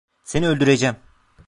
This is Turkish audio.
Seni öldüreceğim.